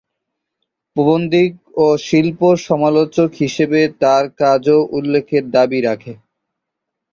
প্রাবন্ধিক ও শিল্প-সমালোচক হিসেবে তার কাজও উল্লেখের দাবি রাখে।